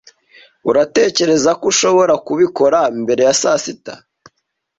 Uratekereza ko ushobora kubikora mbere ya sasita?